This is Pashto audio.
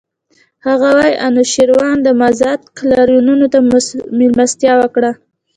هغه وايي انوشیروان د مزدک لارویانو ته مېلمستیا وکړه.